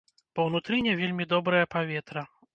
Бо ўнутры не вельмі добрае паветра.